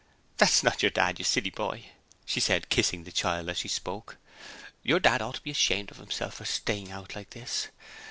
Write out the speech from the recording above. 'That's not your Dad, you silly boy,' she said, kissing the child as she spoke. 'Your dad ought to be ashamed of himself for staying out like this.